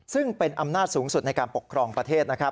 ซึ่งเป็นอำนาจสูงสุดในการปกครองประเทศนะครับ